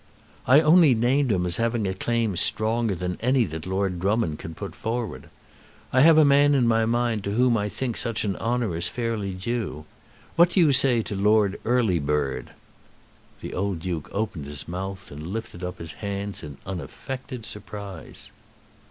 "I only named him as having a claim stronger than any that Lord Drummond can put forward. I have a man in my mind to whom I think such an honour is fairly due. What do you say to Lord Earlybird?" The old Duke opened his mouth and lifted up his hands in unaffected surprise.